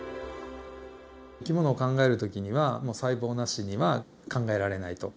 生き物を考える時にはもう細胞なしには考えられないと。